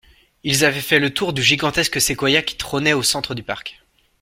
Ils avaient fait le tour du gigantesque séquoia qui trônait au centre du parc.